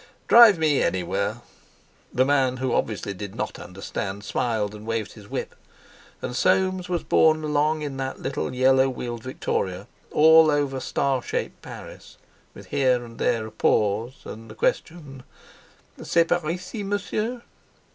"Drive me anywhere!" The man, who, obviously, did not understand, smiled, and waved his whip. And Soames was borne along in that little yellow wheeled Victoria all over star shaped Paris, with here and there a pause, and the question, "_C'est par ici, Monsieur?